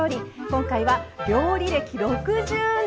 今回は料理歴６０年。